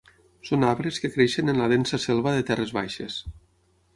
Són arbres que creixen en la densa selva de terres baixes.